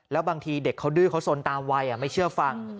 แล้วบางทีเด็กเขาดื้อเขาสนตามวัยไม่เชื่อฟัง